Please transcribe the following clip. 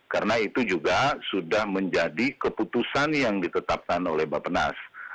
karena itu juga sudah menjadi keputusan yang ditetapkan oleh bapak penas